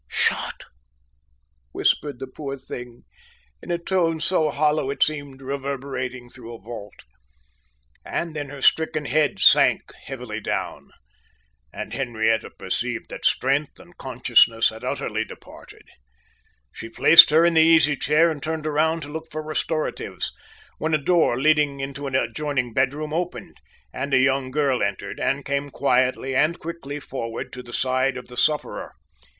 shot!" whispered the poor thing, in a tone so hollow, it seemed reverberating through a vault. And then her stricken head sank heavily down and Henrietta perceived that strength and consciousness had utterly departed. She placed her in the easy chair, and turned around to look for restoratives, when a door leading into an adjoining bedroom opened, and a young girl entered, and came quietly and quickly forward to the side of the sufferer.